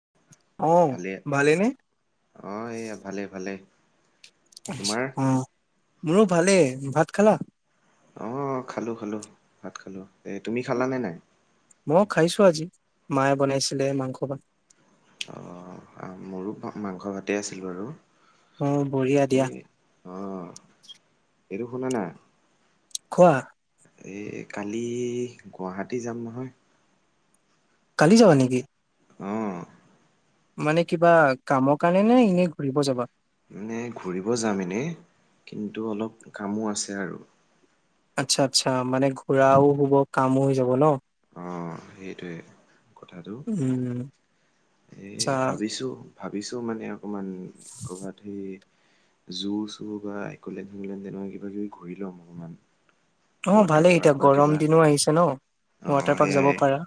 [unintelligible] ভালে ভালেনে অ এইয়া ভালে ভালে তোমাৰ? আহ মোৰো ভালে ভাত খালা অ খালো খালো ভাত খালো এ তুমি খালা নে নাই মই খাইছো আজি মায়ে বনাইছিলে মাংস পাত অঁ মোৰো মাংসভাতেই আছিলোঁ আৰু অ বঢ়িয়া দিয়া অ', এইটো শুনা না খোৱা এই কালি গুৱাহাটী যাম নহয় কালি যাবা নেকি অঁ মানে কিবা কামৰ কাৰণে নে এনেই ঘূৰিব যাবা মানে ঘূৰিব যাম এনেই কিন্তু অলপ কামো আছে আৰু আচ্ছা আচ্ছা মানে ঘোৰাও হব কামো হৈ যাব ন অ সেইটোৱে কথাটো উম এ আচ্ছা ভাবিছো ভাবিছোঁ মানে অকণমন ক'ৰবাত সেই জোৰ-চোৰ বা এক'লেণ্ড [unintelligible] তেনেকুৱা কিবা কিবি ঘূৰি লম অকমান। অ', ভালেই এতিয়া গৰম দিনো আহিছে ন! ৱাটাৰ অ', পাৰ্ক যাব সেইয়াই। পাৰা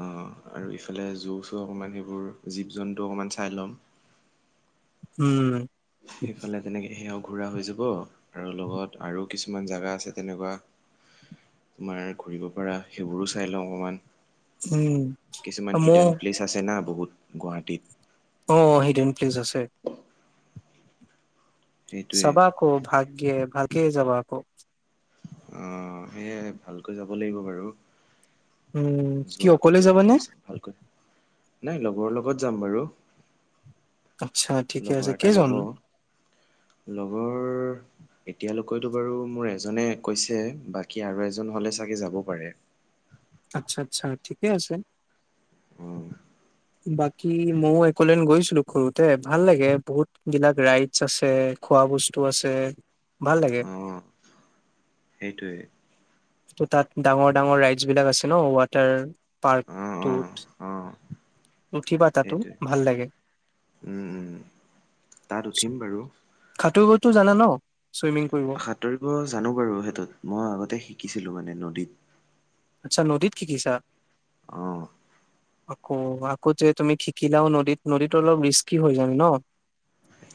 অ', আৰু ইফালে জু-চু অকমান সেইবোৰ জীৱ জন্তু অকণমান চাই ল'ম। উম। সেইফালে তেনেকে সেয়াও ঘূৰা হৈ যাব। আৰু লগত আৰু কিছুমান জাগা আছে তেনেকুৱা। তোমাৰ ঘুৰিব পাৰা, সেইবোৰো চাই লওঁ অকণমান। উম কিছুমান মই হিডেন প্লেচ আছে না, বহুত। গুৱাহাটীত। অ', সেইটো। প্লেজ আছে। সেইটোৱে চাবা আকৌ ভাগ্যে ভাগ কেলে যাবা আক'? অহ, সেয়াই ভালকৈ যাব লাগিব বাৰু। উম কি অকলে যোৱাটোতো সেইটো যাবানে ভালকৈ নাই লগৰৰ লগত লগত যাম বাৰু। আচ্ছা ঠিকে লগৰ আছে এটা যাব, কেইজন লগৰ এতিয়ালৈকেতো বাৰু মোৰ এজনে কৈছে বাকী আৰু এজন হ'লে চাগে যাব পাৰে। আচ্ছা, আচ্ছা ঠিকেই আছে। অ'। বাকী ময়ো এক'লেন গৈছিলো সৰুতে ভাল লাগে বহুত বিলাক ৰাইডছ আছে খোৱা বস্তু আছে ভাল লাগে। অ', সেইটোৱে। ত' তাত ডাঙৰ ডাঙৰ ৰাইডছ বিলাক আছে ন' ৱাটাৰ অ', অ', পাৰ্কটোত। অ', উঠিবা তাতো সেইটোৱে। ভাল লাগে। উম, উম, তাত উঠিম বাৰু। টো জানা ন'? চুইমিং কৰিব সাঁতুৰিব জানো বাৰু সেইটোত মই আগতে শিকিছিলো মানে নদীত। আচ্ছা নদীত শিকিচা? অ'। আকৌ আকৌ যে তুমি শিকিলাও নদীত নদীতো অলপ ৰিস্কি হৈ যায় ন'।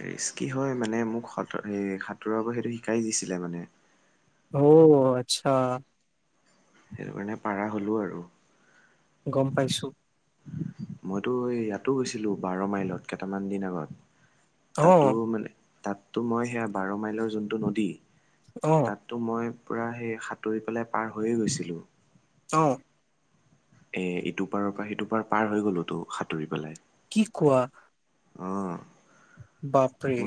ৰিস্কি হয় মানে মোক সত সাঁতোৰা বাৰু সেইটো শিকাই দিছিলে মানে। অ', আচ্ছা। সেইটো কাৰণে পাৰা হ'লোঁ আৰু। গম পাইছো। মইতো এই ইয়াতো গৈছিলো বাৰ মাইলত কেইটামান দিন আগত। তাতো অ' মানে তাততো মই সেয়া বাৰ মাইলৰ জোনটো নদী অ' তাততো মই পূৰা সেই সাঁতুৰি পেলাই পাৰ হৈয়ে গৈছিলোঁ। অ এ ইটো পাৰৰ পৰা সিটো পাৰ পাৰ হৈ গলো তো সাঁতুৰি পেলাই। কি কোৱা। অঁ বাপৰে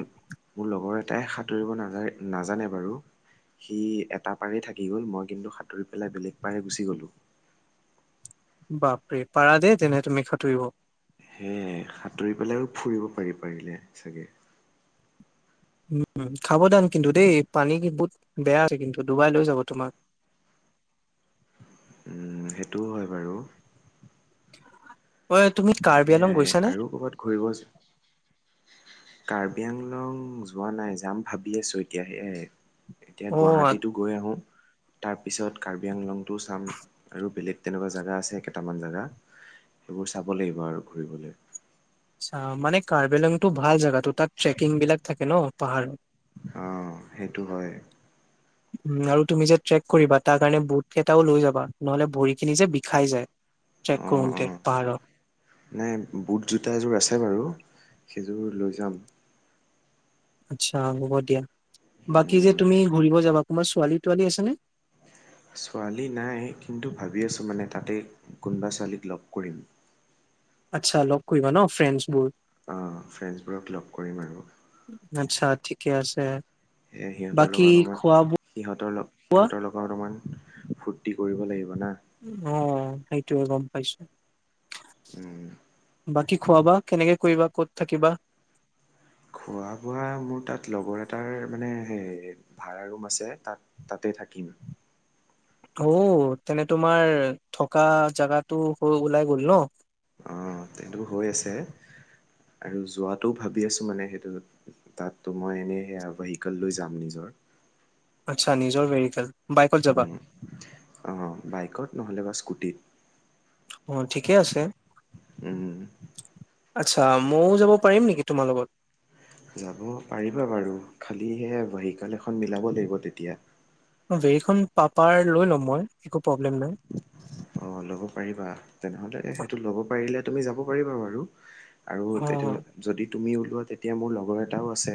লগৰ এটাই সাঁতুৰিব ন নাজানে বাৰু সি এটা পাৰেই থাকি গ'ল মই কিন্তু সাঁতুৰি পেলাই বেলেগ পাৰে গুচি গ'লোঁ বাপৰে পাৰা দে তেনেহ তুমি সাতুৰিব সেয় সাঁতুৰি পেলাই আৰু ফুৰিব পাৰি পাৰিলে চাগে উম খাব দান কিন্তু দেই পানী বহুত বেয়া আছে কিন্তু ডুবাই লৈ যাব তোমাক উম সেইটোও হয় বাৰু [unintelligible] ঐ তুমি কাৰ্বি আলং সেয়াই গৈছানে আৰু ক'ৰবাত ঘূৰিব কাৰ্বি আংলং যোৱা নাই যাম ভাবি আছোঁ এতিয়া সেইয়াই এতিয়া অ গুৱাহাটীতো গৈ আহো তাৰ পিছত কাৰ্বি আংলংতটো চাম আৰু বেলেগ তেনেকুৱা জেগা আছে কেইটামান জেগা সেইবোৰ চ চাব লাগিব আৰু ঘূৰিবলৈ আচ্ছা মানে কাৰ্বি-আংলং টো ভাল জেগা‌তো তাত ট্ৰেকিং বিলাক থাকে ন পাহাৰ অ সেইটো হয়। উ আৰু তুমি যে ট্ৰেক কৰিবা তাৰ কাৰণে বুট কেইটাও লৈ যাবা নহলে ভৰি খিনি যে বিষাই যায়। ট্ৰেক অঁ কৰোতে অঁ পাহাৰত নাই বুট জোতা এযোৰ আছে বাৰু সেইযোৰ লৈ যাম। আচ্ছা হ'ব দিয়া বাকী যে উম তুমি ঘুৰিব যাবা তোমাৰ ছোৱালী তোৱালী আছেনেে ছোৱালী নাই কিন্তু ভাবি আছোঁ মানে তাতেই কোনোবা ছোৱালীক লগ কৰিম। আচ্ছা লগ কৰিবা ন ফ্ৰেণ্ডছ বোৰ অ ফ্ৰেণ্ডছবোৰক লগ কৰিম আৰু আচ্ছা ঠিকে আছে। স সিহঁতৰ বাকী লগত অলমান খোৱা সিহঁতৰ লগ বোৱা সিহঁতৰ লগত অলমান ফূৰ্তি কৰিব লাগিব। না অ সেইটো হয় গ পাইছোঁ উম খোৱাবা কেনেকে কৰিবা ক'ত থাকিবা? খোৱা বোৱা মোৰ তাত লগৰ এটাৰ মানে সেই ভাড়া ৰুম আছে তাত তাতে থাকিম অ তেনে তোমাৰ থকা জাগাটো হৈ ওলাই গ'ল ন। অ সেইটো হৈ আছে আৰু যোৱাটোও ভাবি আছো মানে সেইটো তাতো মই এনেই সেয়া ভেহিকেল লৈ যাম নিজৰ আচ্ছা নিজৰ ভেহিকেল বাইকত উ যাবা অ বাইকত নহ'লে বা স্কুটিত অ ঠিকেই আছে উম আচ্ছা ময়ও যাব পাৰিম নেকি তোমাৰ লগত যাব পাৰিবা বাৰু খালিহে ভেহিকেল এখন মিলাব লাগিব তেতিয়া ভেৰিখন পাপাৰ লৈ ল'ম মই একো প্ৰব্লেম নাই অ', ল'ব পাৰিবা। তেনেহলে সেইটো ল'ব পাৰিলে, তুমি যাব পাৰিবা বাৰু আৰু অ তেতিয়াবা যদি তুমিও উ ত তেতিয়া মোৰ লগৰ এটাও আছে।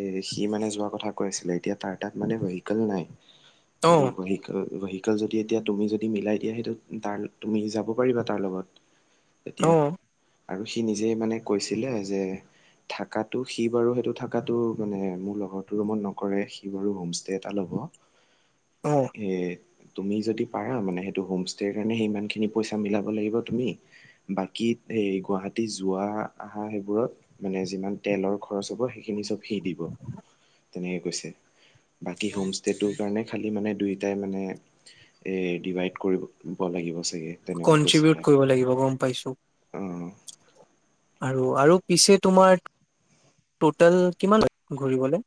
এ সি মানে যোৱা কথা কৈ আছিলে। এতিয়া তাৰ তাত মানে ভেহিকেল নাই। অ এইটো ভিহিকেল ভেহিকেল যদি এতিয়া তুমি যদি মিলাই দিয়া। সেইটো তাৰ-তুমি যাব পাৰিবা তাৰ লগত তেতিয়া। অ আৰু সি নিজেই মানে কৈছিলে। যে থাকাটো সি বাৰু সেইটো থাকাটো মানে মোৰ লগৰটো ৰুমত নকৰে। সি বাৰু হোমষ্টে এটা ল'ব। অ এ তুমি যদি পাৰা মানে সেইটো হোমষ্টেৰ কাৰণে সেই সিমানখিনি পইচা মিলাব লাগিব তুমি। বাকী এই গুৱাহাটী যোৱা-আহা সেইবোৰত মানে যিমান তেলৰ খৰচ হ'ব সেইখিনি চব সি দিব। তেনেকে কৈছে। বাকী হোমষ্টেটো এইকাৰণে খালী মানে দুয়োটাই মানে এ এ ডিভাইড কৰি-ব লাগিব চা কন্ট্ৰিবিউট কৰিব লাগিব গম পাইছোঁ। অঁ আৰু-আৰু পিছে তোমাৰ টোটেল কিমান [unintelligible] ঘূৰিবলে।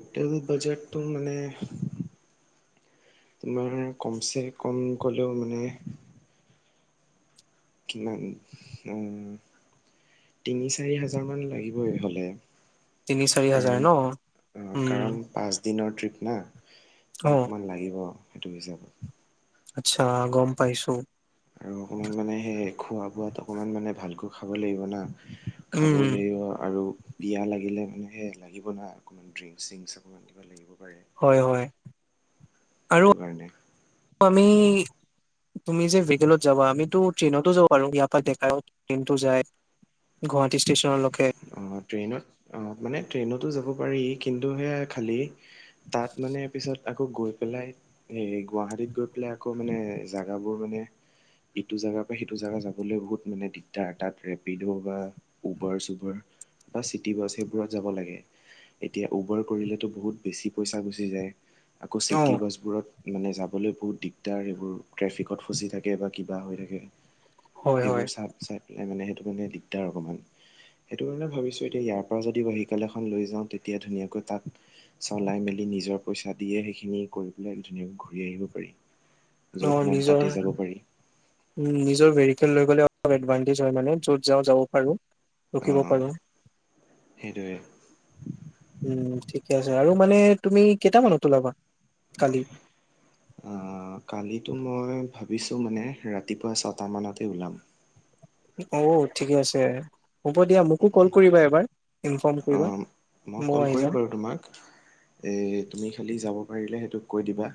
এজে বাজেটটো মানে তোমাৰ কমচে-কম গলেও মানে কিমান অ, তিনি-চাৰি হাজাৰ মান লাগিবই হ'লে। তিনি চাৰি হাজাৰ কাৰণ ন অ', উম কাৰণ পাঁচ দিনৰ ট্ৰিপ না ত অ অকমান লাগিব। সেইটো হিচাপত। আচ্ছা গম পাইছোঁ। আৰু অকমান, মানে সেই খোৱা-বোৱাত অকমান, মানে ভালকৈ খাব লাগিব না। খাব উম লাগিব আৰু পিয়াহ লাগিলে, মানে সেহ লাগিব না অকমান ড্ৰিংকচ-চিংকস অকমান কিবা লাগিব। পাৰে হয়, হয় আৰু সেইটো কাৰণে আমি তুমি যে ভিহিকেলত যাবা। আমিতো ট্ৰেইনতো যাব পাৰু ইয়াৰ পৰা ডেকাও ট্ৰেইনতো যায়, গুৱাহাটী ষ্টেচনলৈকে। অ', ট্ৰেইনত অ', মানে ট্ৰেইনতো যাব পাৰি। কিন্তু সেয়া খালী তাত মানে পিছত আকৌ গৈ পেলাই। এই গুৱাহাটীত গৈ পেলাই, আকৌ মানে জাগাবোৰ মানে ইটো জেগাৰ পৰা সিটো জেগা যাবলৈ বহুত, মানে দিগদাৰ তাত ৰেপিডো বা উবাৰ-চুবাৰ বা চিটি বাছ সেইবোৰত যাব লাগে। এতিয়া উবাৰ কৰিলেটো বহুত বেছি পইচা গুচি যায়। আকৌ অ চিটি বাছবোৰত মানে, যাবলৈ বহুত দিগদাৰ সেইবোৰ, ট্ৰেফিকত ফচি থাকে বা কিবা হৈ থাকে। হয় হয় সেইবোৰ চাব-চাই পেলাই মানে, সে টো, মানে দিগদাৰ অকণমান। সেইটো কাৰণে ভাবিছোঁ, এতিয়া ইয়াৰ পৰা যদি ভিহিকেল এখন লৈ যাওঁ, তেতিয়া ধুনীয়াকৈ তাত চলাই মেলি নিজৰ পইচা দিয়ে, সেইখিনি কৰি পেলাই ধুনীয়াকৈ ঘূৰি আহিব পাৰি। অ যত মন নিজৰ তাতেই যাব পাৰি। নিজৰ ভেৰিকেল লৈ গ'লে অলপ এডভানটেজ হয় মানে, য'ত যাওঁ যাব পাৰো। ৰখিব অ' পাৰোঁ, সেইটোৱে। উম ঠিকে আছে। আৰু মানে তুমি কেইটামানত ওলাবা? কালি অহ কালিতো মই ভাবিছোঁ মানে ৰাতিপুৱা ছটামানতে ওলাম। অউ ঠিকে আছে। হ'ব দিয়া মোকো কল কৰিবা এবাৰ ইনফৰ্ম কৰিবা উমম, অ মই ময়ো কল আহি যাম কৰিম বাৰু তোমাক। এই তুমি খালি যাব পাৰিলেহে তোক কৈ দিবা।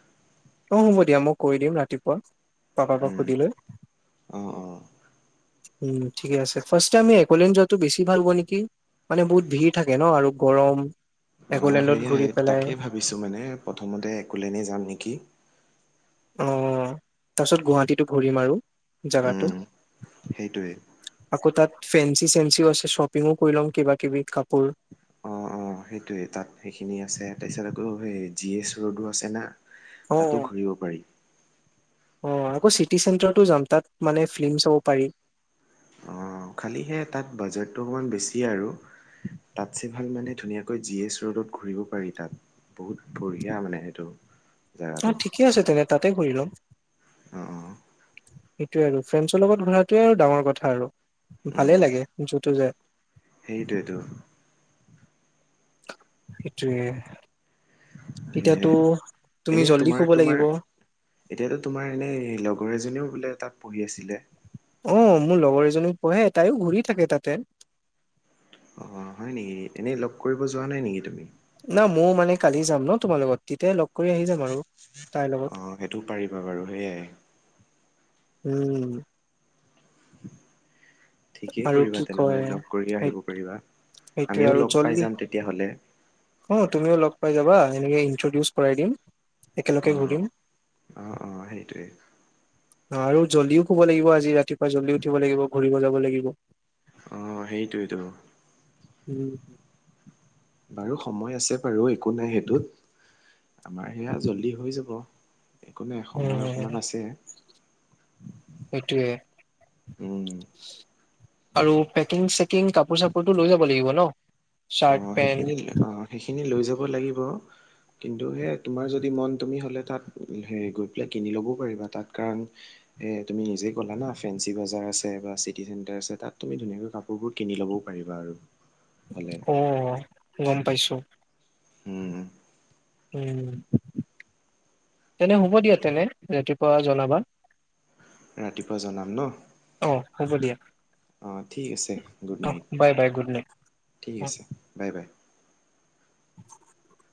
অ হ'ব দিয়া মই কৰি দিম ৰাতিপুৱা। পাপা পা উম সুধিলৈ। অ অ উম ঠিকে আছে। ফাৰ্ষ্ট টাইম আমি একোলিয়েন যোৱাটো বেছি ভাল হ'ব নেকি, মানে বহুত ভিৰ থাকে ন' আৰু গৰম অ একলেণ্ডত ঘূৰি সেয়াই পেলাই তাকে ভাবিছোঁ মানে প্ৰথমতে একোলেনে যাম নেকি। অ তাৰপিছত গুৱাহাটীতো ঘূৰিম আৰু। জাগাটো, উম সেইটোৱে আকৌ তাত ফ্ৰেঞ্চি চেঞ্চিও আছে শ্বপিঙো কৰি ল'ম কিবা কিবি কাপোৰ। অ অ সেইটোৱে তাত সেইখিনি আছে। তাৰপিছত আকৌ সেই জি এচ ৰোডো আছে না। অ' তাতো অ' ঘূৰিব পাৰি। অ আকৌ চিটি চেণ্টাৰটো যাম তাত মানে ফিল্ম চাব পাৰি। অঁ খালিহে তাত বাজেটটো অকণমান বেছি আৰু, তাতছে ভাল মানে ধুনীয়াকৈ জি এছ ৰ'ডত ঘূৰিব পাৰি তাত, বহুত বঢ়িয়া মানে সেইটো অ জেগাটো ঠিকে আছে তেনে তাতে কৰি লম। অঁ অ। সেইটোৱে আৰু ফ্ৰেণ্ডছৰ লগত ঘূৰাটোৱে আৰু ডাঙৰ কথা আৰু। উম ভালেই লাগে যটো যায়। সেইটোৱেতো সেইটোৱে। এ এনেই জল্দি শুব তোমাৰ লাগিব তোমাৰ এতিয়াতো তোমাৰ এনেই লগৰ এজনীও বোলে তাত পঢ়ি আছিলে। অঁ মোৰ লগৰ এজনীও পঢ়ে তাইও ঘূৰি থাকে তাতে। অঁ হয় নেকি? এনেই লগ কৰিব যোৱা নাই নেকি তুমি? না ময়ো মানে কালি যাম ন তোমাৰ লগত তেতিয়াই লগ কৰি আহি যাম আৰু। তাইৰ লগত অঁ সেইটো পাৰিবা বাৰু সেইয়াই। উম। ঠিকেই আৰু কৰিবা কি তেনেহ'লে কয় লগ কৰি আহিব সেই- পাৰিবা সেইটোৱে আমিও আৰু লগ পাই জল্দি যাম তেতিয়াহ'লে। অ', তুমিও লগ পাই যাবা এনেকে ইনট্ৰডিউচ কৰাই দিম, একেলগে ঘূৰিম। অহ, অ', সেইটোৱেই। আৰু জল্দিও খব লাগিব আজি ৰাতিপুৱা জলিও উঠিব লাগিব ঘূৰিব যাব লাগিব। অহ, সেইটোৱেইটো। উম বাৰু সময় আছে বাৰু একো নাই সেইটোত আমাৰ সেয়া জল্দি হৈ যাব। একো নাই সময় অকণমান আছে। সেইটোৱে। উম। আৰু পেকিং চে কাপোৰ চাপোৰটো লৈ যাব লাগিব। হেল্ল'। অ', সেইখিনি অ', সেইখিনি লৈ যাব লাগিব। কিন্তু সেই তোমাৰ যদি মন তুমি হ'লে তাত হে গৈ পেলাই কিনি ল'বও পাৰিবা তাত কাৰণ তুমি নিজে ক'লা না ফেঞ্চি বজাৰ আছে বা চিটি চেণ্টাৰ আছোত তুমি ধুনীয়া কাপোৰবোৰ কিনি ল'বও পাৰিবা আৰু। হ'লে অ'। গম পাইছো। হম। উম, তেনে হ'ব দিয়া তেনে ৰাতিপুৱা জনাবা। ৰাতিপুৱা জনাম ন' অ হ'ব দিয়া অ', ঠিক আছে, গুড অ night, bye bye good night ঠিক অ আছে, বাই, বাই। [inaudible]